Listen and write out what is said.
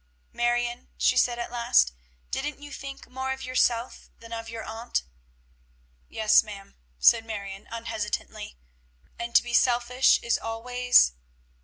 "Marion," she said at last, "didn't you think more of yourself than of your aunt?" "Yes, ma'am," said Marion unhesitatingly. "And to be selfish is always?"